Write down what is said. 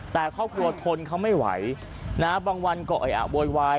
แต่ครอบครัวทนเขาไม่ไหวนะฮะบางวันก็เออะโวยวาย